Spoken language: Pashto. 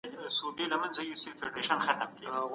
که باران ونه وریږي نو کار به پیل کړو.